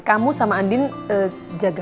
kamu sama andin jaga